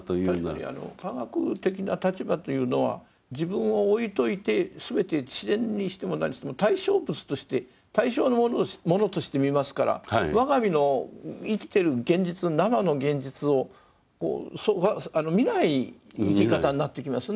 確かに科学的な立場というのは自分を置いといてすべて自然にしても何にしても対象物として対象のものとして見ますから我が身の生きてる現実生の現実を見ない生き方になってきますね。